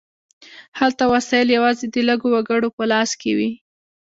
هلته وسایل یوازې د لږو وګړو په لاس کې وي.